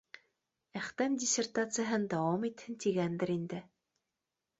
Әхтәм диссертацияһын дауам итһен тигәндер инде